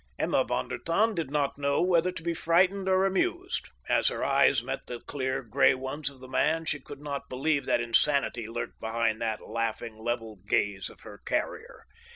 Emma von der Tann did not know whether to be frightened or amused. As her eyes met the clear, gray ones of the man she could not believe that insanity lurked behind that laughing, level gaze of her carrier.